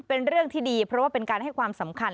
เป็นเรื่องที่ดีเพราะว่าเป็นการให้ความสำคัญ